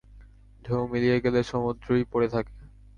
ঢেউ মিলিয়ে গেলে সমুদ্রই পড়ে থাকে।